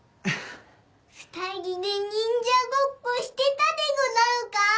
２人で忍者ごっこしてたでござるか？